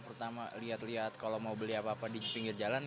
pertama lihat lihat kalau mau beli apa apa di pinggir jalan